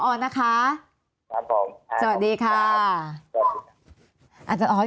ก็คงค่ะขอบคุณค่ะจับสิน